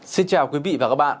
xin chào quý vị và các bạn